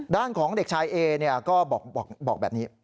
ด้านของเด็กชายเอก็บอกแบบนี้